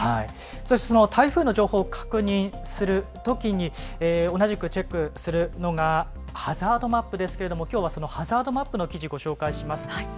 そしてその台風の情報を確認するときに同じくチェックするのがハザードマップですけれどもきょうはそのハザードマップの記事、ご紹介します。